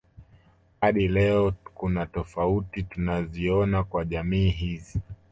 Hadi leo kuna tofuati tunaziona kwa jamii hizi